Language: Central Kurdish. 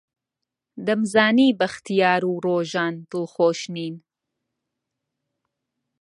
دەمزانی بەختیار و ڕۆژان دڵخۆش نین.